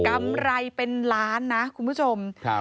กำไรเป็นล้านนะคุณผู้ชม